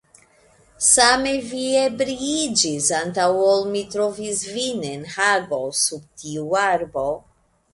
Same vi ebriiĝis antaŭ ol mi trovis vin en Hago sub tiu arbo.